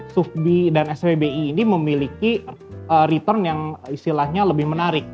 sufbi dan svbi ini memiliki return yang istilahnya lebih menarik